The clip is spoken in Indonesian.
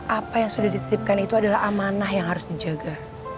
apa yang sudah dititipkan itu adalah amanah yang harus dijaga